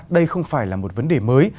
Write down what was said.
đây không phải là một vấn đề mới